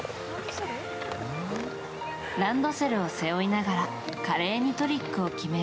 ランドセルを背負いながら華麗にトリックを決める